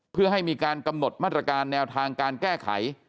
เพื่อให้มีการกำหนดมาตรการแนวทางการแก้ไข